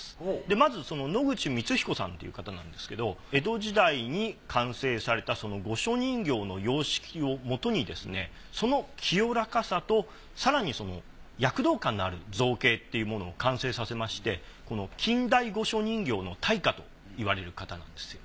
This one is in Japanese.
まず野口光彦さんという方なんですけど江戸時代に完成された御所人形の様式をもとにですねその清らかさと更に躍動感のある造形っていうものを完成させまして近代御所人形の大家と言われる方なんですよ。